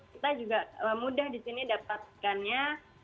kita juga mudah di sini dapatkannya